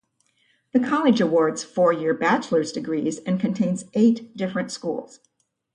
The college awards four year bachelor's degrees and contains eight different schools.